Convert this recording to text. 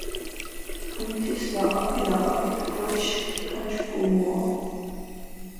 თუნთის ლაჸაფი-ლაჸაფით კოჩქ ქაჭკუმუუა